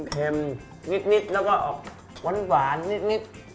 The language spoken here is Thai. เค็มนิดแล้วก็อบบนสวานนิด